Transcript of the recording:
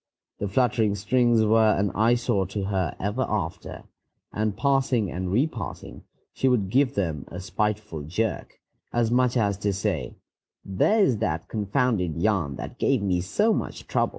The fluttering strings were an eyesore to her ever after, and, passing and repassing, she would give them a spiteful jerk, as much as to say, "There is that confounded yarn that gave me so much trouble."